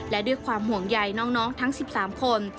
และด้วยความห่วงใยน้องทั้ง๑๓คน